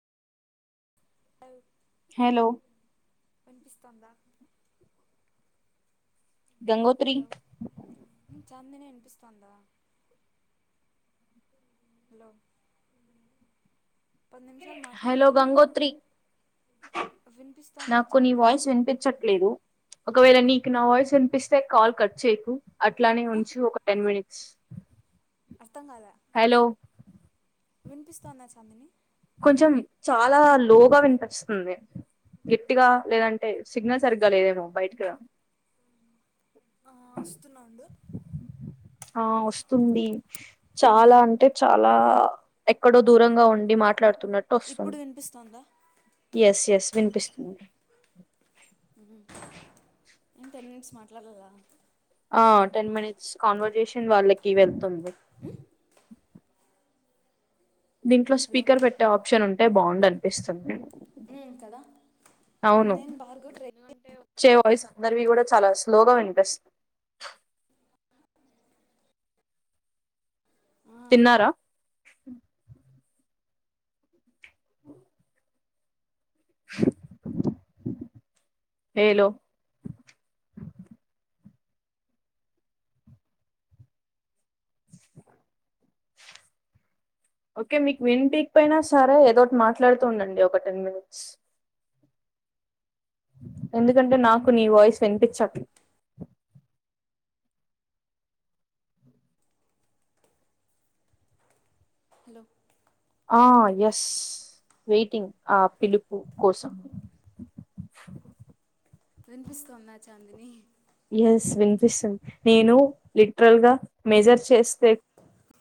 అవు హలో అనిపిస్తుతోందా గంగోత్రీ చాందిని వినిపిస్తుందా హలో పమిషాలు హలో మాట్లాలాాల గంగోత్రి నాకు నీ వాయిస్ వినిపించట్లేదు ఒకవేళ నీకు నా వాయిస్ అనిపిస్తే కాల్ కట్ చేయకు అట్లానే ఆ ఉంచి ఒక టెన్ మినిట్స్ అర్థం కాదా హలో వినిపిస్తన్నా చందిని కొంచెం చాలా లోగా వినిపిస్తుంది గట్టిగా లేదంటే సిగ్నల్ సరిగ్గా లేదేమో బయటకి ఆ వస్తున్నాండు ఆ వస్తుంది చాలా అంటే చాలా ఎక్కడో దూరంగా ఉండి మాట టస్ ఇప్పుడు వినిపిస్తోందా ఎస్ ఎస్ వినిపిస్తుంది నేను టెన్ మినిట్స్ మాట్లాడాలా ఆ టెన్ మినిట్స్ కాన్వర్జేషన్ వాళ్ళకి వెళ్తుంది దీంట్లో హలో స్పీకర్ పెట్టే ఆప్షన్ ఉంటే బాగుం అనిపిస్తుందిే కదా నేను బార్గో ట్రై ఎందుకంటే చేను వచ్చే వాయిస్ అందరివి కూడా చాలా స్లోగా వినిపిస్తాం ఆ తిన్నారా ఏలో ఓకే మీకు విన్ పీక్ పనా సరే ఏదోటి మాట్లాడుతుండండి ఒక టెన్ మినిట్స్ ఎందుకంటే నాకు నీ వాయిస్ వినిపించట్ హలో ఆ ఎస్ వెయిటింగ్ ఆ పిలుపు కోసం వినిపిస్తుతోన్నా చాందిని స్ విన్పిస్న్ నేను లిటరల్ గా మెజర్ చేస్తే